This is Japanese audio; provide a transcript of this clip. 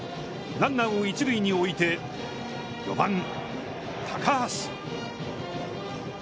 ランナーを一塁に置いて、４番高橋。